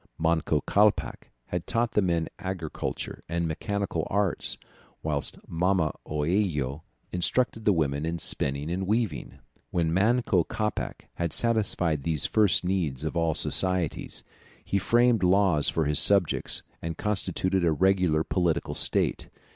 Manco Capac had taught the men agriculture and mechanical arts, whilst Mama Oello instructed the women in spinning and weaving. When Manco Capac had satisfied these first needs of all societies, he framed laws for his subjects, and constituted a regular political state.